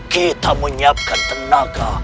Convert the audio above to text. kita menyiapkan tenaga